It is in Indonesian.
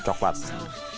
masih terlalu ngoklat